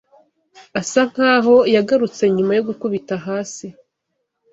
asa nkaho yagarutse nyuma yo gukubita "hasi